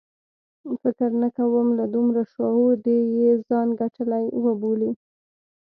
فکر نه کوم له دومره شعور دې یې ځان ګټلی وبولي.